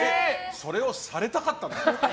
それをされたかったの？